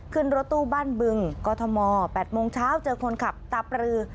ขึ้นรถตู้บ้านบึงกอทม๘โมงเช้าเจอคนขับตาปรือ